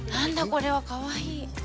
これは、かわいい。